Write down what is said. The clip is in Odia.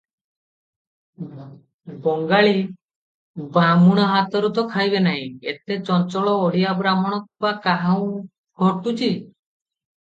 ବଙ୍ଗାଳୀ ବାହ୍ମୁଣ ହାତରୁ ତ ଖାଇବେ ନାହିଁ, ଏତେ ଚଞ୍ଚଳ ଓଡିଆ ବ୍ରାହ୍ମଣ ବା କାହୁଁ ଘଟୁଛି?